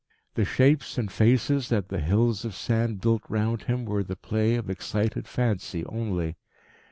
The shapes and faces that the hills of sand built round him were the play of excited fancy only.